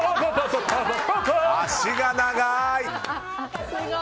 足が長い！